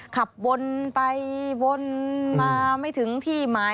ขับวนไปวนมาไม่ถึงที่หมาย